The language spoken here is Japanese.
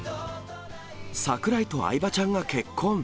櫻井と相葉ちゃんが結婚！